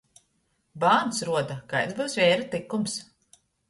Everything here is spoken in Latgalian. Bārns ruoda, kaids byus veira tykums.